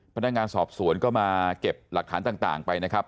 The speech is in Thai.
พนักงานสอบสวนก็มาเก็บหลักฐานต่างไปนะครับ